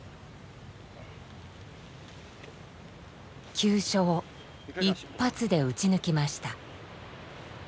急所を一発で撃ち抜きました。